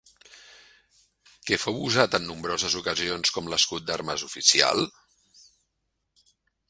Què fou usat en nombroses ocasions com l'escut d'armes oficial?